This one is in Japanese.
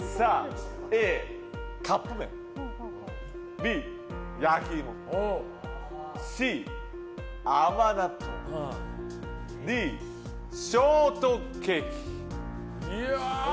Ａ、カップ麺Ｂ、焼き芋Ｃ、甘納豆Ｄ、ショートケーキ。